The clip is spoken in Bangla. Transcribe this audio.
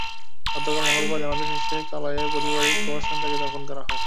গতকাল মঙ্গলবার জানাজা শেষে কালাইয়ের পারিবারিক কবরস্থানে তাঁকে দাফন করা হয়।